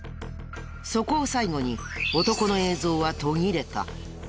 そこを最後に男の映像は途切れた。